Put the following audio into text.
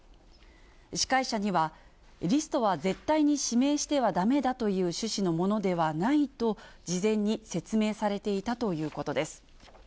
司会者には、リストは絶対に指名してはだめだという趣旨のものではないと、事前に説明されていたということです。